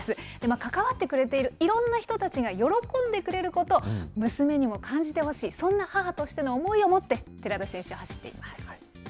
関わってくれているいろんな人たちが喜んでくれること、娘にも感じてほしい、そんな母としての思いを持って、寺田選手、走っています。